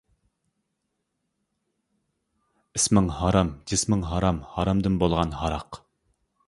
ئىسمىڭ ھارام جىسمىڭ ھارام ھارامدىن بولغان ھاراق!